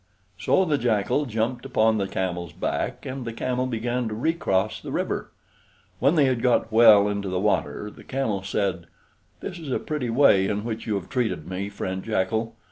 So the Jackal jumped upon the Camel's back, and the Camel began to recross the river. When they had got well into the water, the Camel said: "This is a pretty way in which you have treated me, friend Jackal.